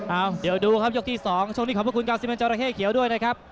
เอาเดี๋ยวดูครับยกที่๒ช่วงนี้ขอบพระคุณกาวซิเมนจอราเข้เขียวด้วยนะครับ